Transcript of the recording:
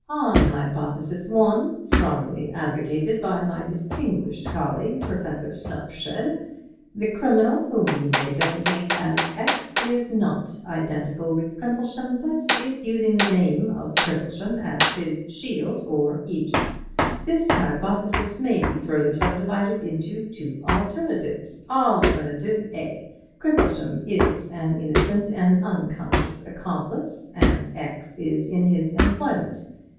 On Hypothesis 1 (strongly advocated by my distinguished colleague Professor Snupshed), the criminal, whom we may designate as X, is not identical with Crimplesham, but is using the name of Crimplesham as his shield, or ægis. This hypothesis may be further subdivided into two alternatives. Alternative A: Crimplesham is an innocent and unconscious accomplice, and X is in his employment.